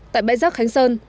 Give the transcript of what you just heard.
tại bãi rác khánh sơn